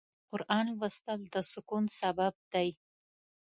د قرآن لوستل د سکون سبب دی.